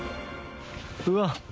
うわっ！